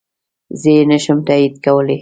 زه يي نشم تاييد کولی